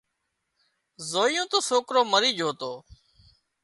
زويون تو سوڪرو مرِي جھو تو